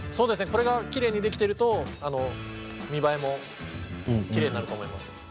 これがきれいにできてると見栄えもきれいになると思います。